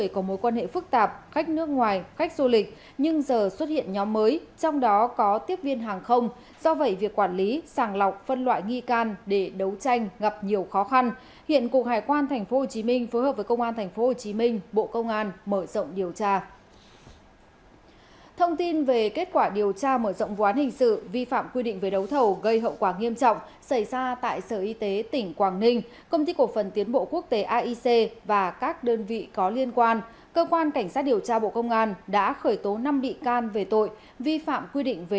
cơ quan cảnh sát điều tra bộ công an đã khởi tố năm bị can về tội vi phạm quy định về đấu thầu gây hậu quả nghiêm trọng theo điều hai trăm hai mươi hai bộ luật hình sự vai trò đồng phạm đối với